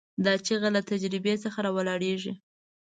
دا چیغه له تجربې څخه راولاړېږي.